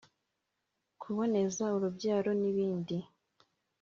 kuboneza urubyaro n’ ibindi